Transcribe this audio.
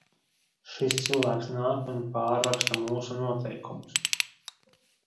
Šis cilvēks nāk un pārraksta mūsu noteikumus!